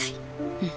うん。